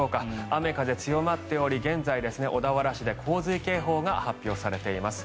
雨、風強まっており現在、小田原市で洪水警報が発表されています。